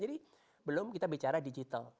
jadi belum kita bicara digital